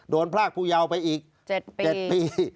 โดนพรากผู้ยาวไปอีกเจ็ดปีเจ็ดปี